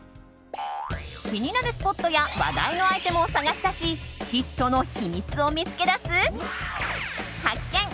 気になるスポットや話題のアイテムを探し出しヒットの秘密を見つけ出す発見！